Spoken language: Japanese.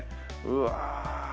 うわ。